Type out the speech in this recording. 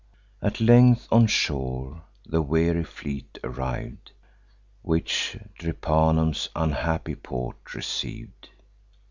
At length on shore the weary fleet arriv'd, Which Drepanum's unhappy port receiv'd.